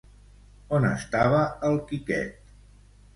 On estava el Quiquet?